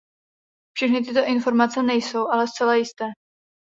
Všechny tyto informace nejsou ale zcela jisté.